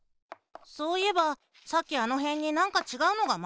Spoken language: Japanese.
そういえばさっきあのへんになんかちがうのがまぎれてたな。